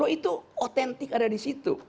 itu otentik ada di situ